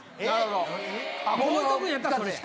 もう置いとくんやったらそれや。